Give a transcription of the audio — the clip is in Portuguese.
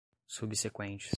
subsequentes